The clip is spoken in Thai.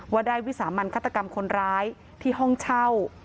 ว่าได้วิสามันฆาตกรรมคนร้ายที่ห้องเช่า